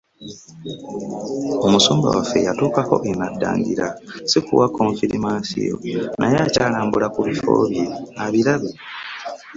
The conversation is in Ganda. Omusumba waffe yatuukako e Naddangira, si kuwa Konfirimansio naye akyalambula ku bifo bye abirabe.